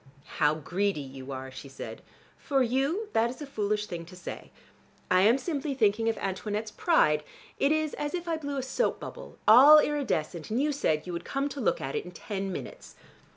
"How greedy you are," she said. "For you that is a foolish thing to say. I am simply thinking of Antoinette's pride. It is as if I blew a soap bubble, all iridescent, and you said you would come to look at it in ten minutes.